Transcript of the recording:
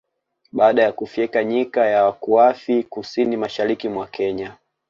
Baada ya kufyeka Nyika ya Wakuafi kusini mashariki mwa Kenya